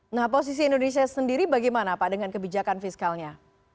nah posisi indonesia sendiri bagaimana pak dengan kebijakan fiskalnya